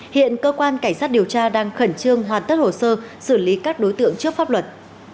hiện cơ quan cảnh sát điều tra đang khẩn trương hoàn tất hồ sơ xử lý các đối tượng trước pháp luật